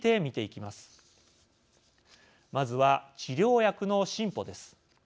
まずは治療薬の進歩です。